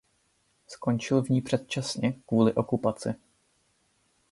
Skončil v ní předčasně kvůli okupaci.